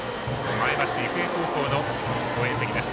前橋育英高校の応援席です。